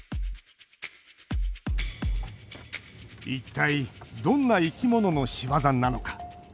一体どんな生き物の仕業なのか。